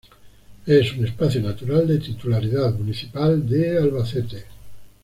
Es un espacio natural de titularidad municipal de Albacete.